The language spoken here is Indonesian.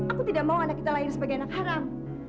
aku tidak mau anak kita lahir sebagai anak haram